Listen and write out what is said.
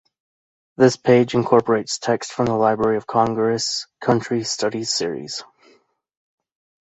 This page incorporates text from the Library of Congress's Country Studies series.